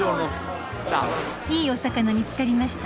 いいお魚見つかりました？